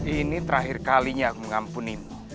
ini terakhir kalinya aku mengampunimu